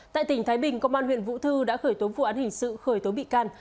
tại tỉnh thái bình công an huyện vũ thư đã khởi tố vụ án hình sự khởi tố bị can